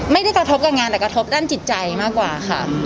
ไม่ได้กระทบกับงานแต่กระทบด้านจิตใจมากกว่าค่ะ